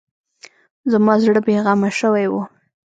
زما زړه بې غمه شوی و.